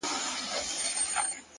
د کوټې دننه رڼا د بهر تیاره نرموي،